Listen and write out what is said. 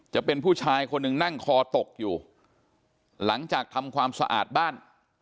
จะเป็นผู้ชายคนหนึ่งนั่งคอตกอยู่หลังจากทำความสะอาดบ้าน